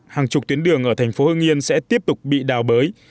hàng chục tuyến đường ở thành phố hưng yên sẽ tiếp tục bị đào bới